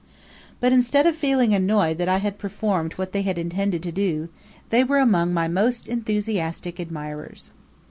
But, instead of feeling annoyed that I had performed what they had intended to do, they were among my most enthusiastic admirers.